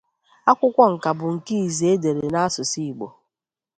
Akwụkwọ nka bụ nke izi e dere n'asụsụ Igbo.